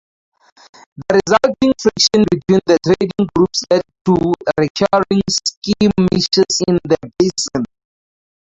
The resulting friction between the trading groups led to recurring skirmishes in the basin.